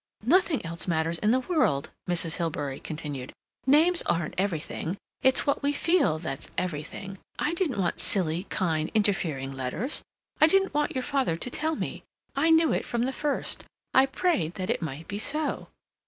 "Nothing else matters in the world!" Mrs. Hilbery continued. "Names aren't everything; it's what we feel that's everything. I didn't want silly, kind, interfering letters. I didn't want your father to tell me. I knew it from the first. I prayed that it might be so."